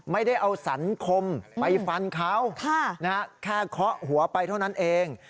ไม่ได้เอาสันคมไปฟันเขาแค่เคาะหัวไปเท่านั้นเอง